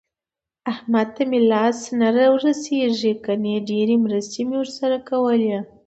احمد ته مې لاس نه ورسېږي ګني ډېرې مرستې مې ورسره کولې.